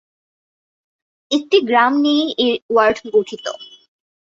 একটি গ্রাম নিয়েই এই ওয়ার্ড গঠিত।